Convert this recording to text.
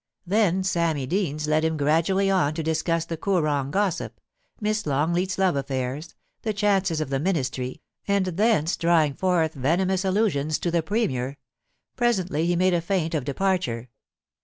Then Sammy Deans led him gradually on to dis cuss the Koorong gossip — Miss Longleat's love affairs, the 2i5 POLICY AND PASSION. chances of the Ministry, and thence drawing forth venomous allusions to the Premier. ... Presently he made a feint of departure.